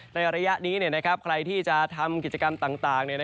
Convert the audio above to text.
ในระยะนี้ใครที่จะทำกิจกรรมต่าง